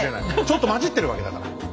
ちょっと混じってるわけだから。